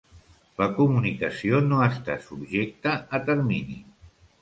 La comunicació no està subjecta a termini.